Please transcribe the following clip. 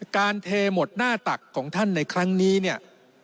เทหมดหน้าตักของท่านในครั้งนี้เนี่ย